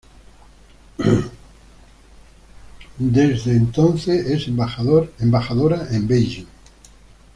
Desde el es embajadora en Beijing.